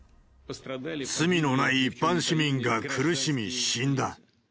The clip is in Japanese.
罪のない一般市民が苦しみ、死んだ。